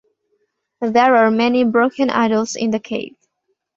There are many broken idols in the cave.